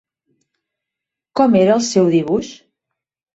Com era el seu dibuix?